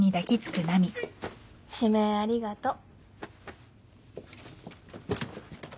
指名ありがとう。